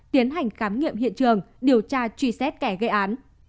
tiến hành khám nghiệm hiện trường điều tra truy xét kẻ gây án